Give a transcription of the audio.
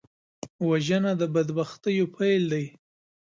وژنه د بدبختیو پیل دی